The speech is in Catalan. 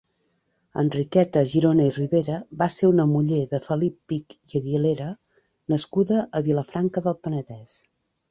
Enriqueta Girona i Ribera va ser una muller de Felip Pich i Aguilera nascuda a Vilafranca del Penedès.